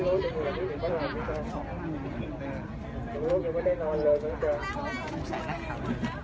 มีผู้ที่ได้รับบาดเจ็บและถูกนำตัวส่งโรงพยาบาลเป็นผู้หญิงวัยกลางคน